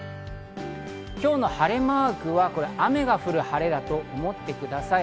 今日の晴れマークは雨が降る晴れだと思ってください。